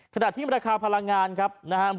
ขนาดที่ราคาพลังงานครับ